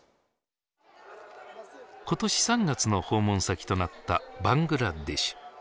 今年３月の訪問先となったバングラデシュ。